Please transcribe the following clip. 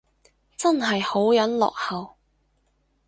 真係好撚落後